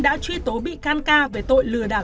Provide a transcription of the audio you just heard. đã truy tố bị can ca về tội lừa đảo